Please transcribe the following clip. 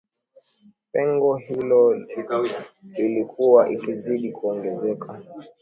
pengo hilo ilikuwa ikizidi kuongezeka